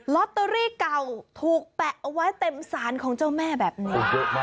ลอตเตอรี่เก่าถูกแปะเอาไว้เต็มสารของเจ้าแม่แบบนี้